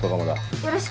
よろしく。